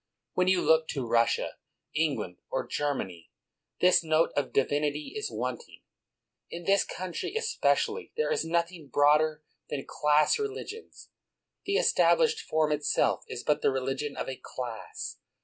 When you look to Russia, England, or Germany, this note of divinity is wanting. In this country, espe cially, there is nothing broader than class relig ions; the established form itself is but the relig ion of a class.